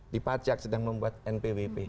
di pajak sedang membuat npwp